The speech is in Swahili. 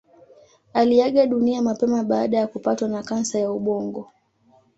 Aliaga dunia mapema baada ya kupatwa na kansa ya ubongo.